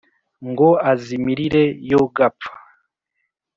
ngo azimirire yo gapfa